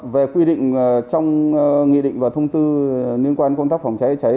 về quy định trong nghị định và thông tư liên quan công tác phòng cháy cháy